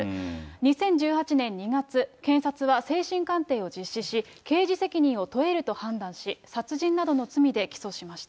２０１８年２月、検察は精神鑑定を実施し、刑事責任を問えると判断し、殺人などの罪で起訴しました。